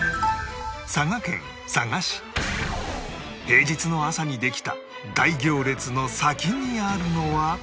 平日の朝にできた大行列の先にあるのは